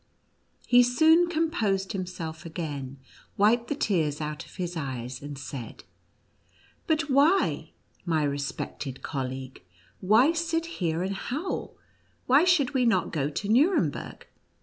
He soon composed himself again, wiped the tears out of his eyes, and said :" But why, my respected colleague, why sit here and howl \ Why should we not go to Nuremberg